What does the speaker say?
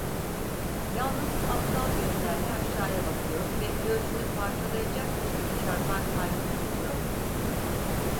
Yalnız aptal gözlerle aşağıya bakıyor ve göğsünü parçalayacakmış gibi çarpan kalbini tutuyordu.